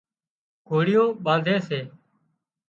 گھوڙيون ٻانڌي سي